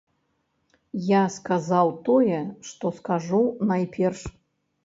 Я сказаў тое, што скажу найперш.